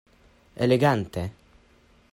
Elegante!